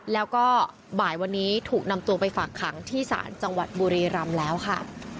แล้วก็บ่ายวันนี้ถูกนำตัวไปฝากขังที่ศาลจังหวัดบุรีรำแล้วค่ะ